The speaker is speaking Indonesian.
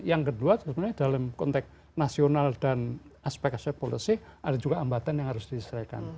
yang kedua sebenarnya dalam konteks nasional dan aspek aspek policy ada juga hambatan yang harus diselesaikan